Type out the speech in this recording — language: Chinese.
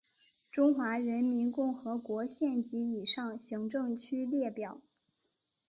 中华人民共和国县级以上行政区列表